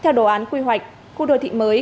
theo đồ án quy hoạch khu đô thị mới